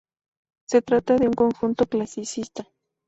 Se trata de un conjunto clasicista.